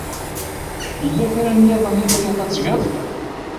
Yella kra n iṭen i triṭ ad tgeɣ?